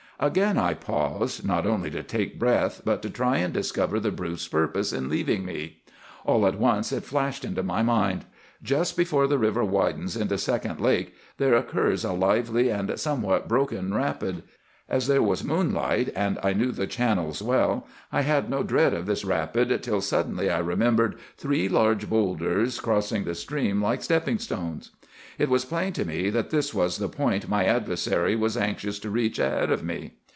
"Again I paused, not only to take breath, but to try and discover the brute's purpose in leaving me. All at once it flashed into my mind. Just before the river widens into Second Lake, there occurs a lively and somewhat broken rapid. As there was moonlight, and I knew the channels well, I had no dread of this rapid till suddenly I remembered three large bowlders crossing the stream like stepping stones. "It was plain to me that this was the point my adversary was anxious to reach ahead of me.